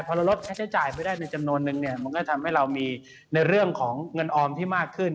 พอเราลดค่าใช้จ่ายไปได้ในจำนวนนึงเนี่ยมันก็ทำให้เรามีในเรื่องของเงินออมที่มากขึ้น